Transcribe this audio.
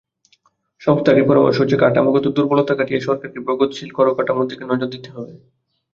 সংস্থাটির পরামর্শ হচ্ছে, কাঠামোগত দুর্বলতা কাটিয়ে সরকারকে প্রগতিশীল করকাঠামোর দিকে নজর দিতে হবে।